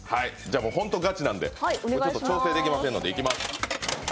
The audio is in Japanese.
本当にガチですので、調整できませんので、いきます。